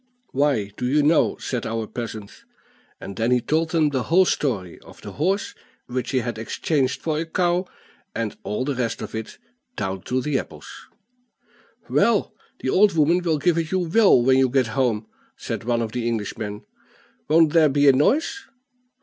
"Why, do you know" said our peasant. And then he told them the whole story of the horse, which he had exchanged for a cow, and all the rest of it, down to the apples. "Well, your old woman will give it you well when you get home," said one of the Englishmen. "Won't there be a noise?"